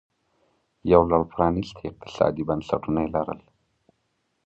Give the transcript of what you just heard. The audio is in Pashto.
یو لړ پرانیستي اقتصادي بنسټونه یې لرل